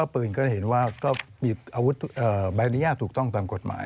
ปืนก็เห็นว่าก็มีอาวุธใบอนุญาตถูกต้องตามกฎหมาย